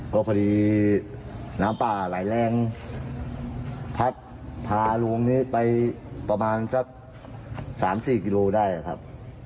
ก็พอดีน้ำป่าไหลแรงพัดพาลุงนี้ไปประมาณสัก๓๔กิโลได้ครับ